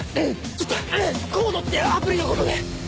ちょっとＣＯＤＥっていうアプリのことで！